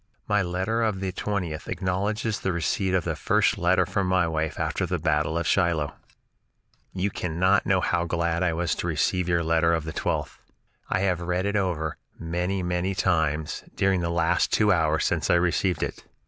My letter of the 20th acknowledges the receipt of the first letter from my wife after the battle of Shiloh: "You cannot know how glad I was to receive your letter of the 12th. I have read it over many, many times during the last two hours since I received it.